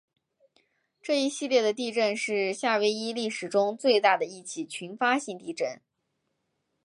这一系列的地震是夏威夷历史中最大的一起群发性地震。